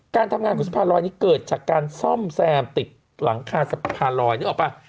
การทำงานของสะพานลอยนี้เกิดจากการซ่อมแซมติดหลังคาสะพานลอยนึกออกป่ะ